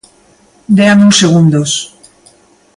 Déanme uns segundos.